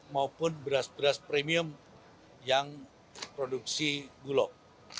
maupun beras beras premium yang produksi bulog